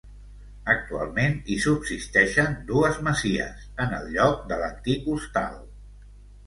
Actualment hi subsisteixen dues masies, en el lloc de l'antic hostal.